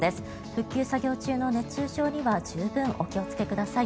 復旧作業中の熱中症には十分お気をつけください。